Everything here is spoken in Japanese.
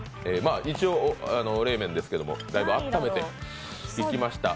一応、冷麺ですけども、だいぶあっためていきました。